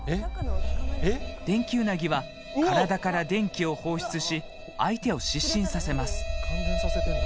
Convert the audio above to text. デンキウナギは、体から電気を放出し、相手を失神させます。